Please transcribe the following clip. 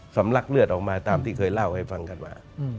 ลักเลือดออกมาตามที่เคยเล่าให้ฟังกันมา